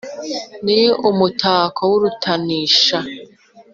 ni umutako w’urutanisha